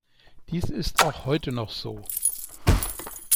Dies ist auch heute noch so.